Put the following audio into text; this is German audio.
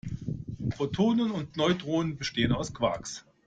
Protonen und Neutronen bestehen aus Quarks.